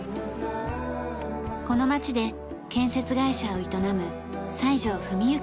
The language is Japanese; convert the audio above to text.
この街で建設会社を営む西條文雪さん。